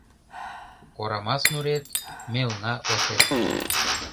Корамас нурет — мелна осет.